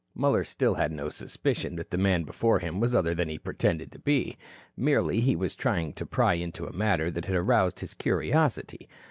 Muller still had no suspicion that the man before him was other than he pretended to be. Merely he was trying to pry into a matter that had aroused his curiosity.